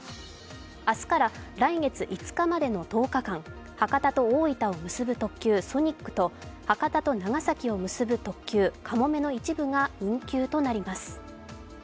明日から来月５日までの１０日間、博多と大分を結ぶ特急ソニックと博多と長崎を結ぶ特急かもめの一部が運休となります。